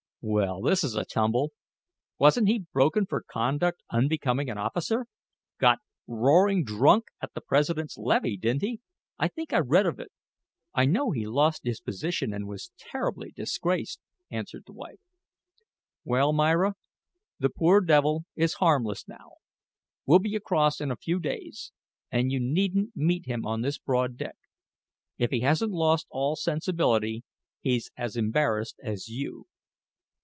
Well, this is a tumble. Wasn't he broken for conduct unbecoming an officer? Got roaring drunk at the President's levee, didn't he? I think I read of it." "I know he lost his position and was terribly disgraced," answered the wife. "Well, Myra, the poor devil is harmless now. We'll be across in a few days, and you needn't meet him on this broad deck. If he hasn't lost all sensibility, he's as embarrassed as you.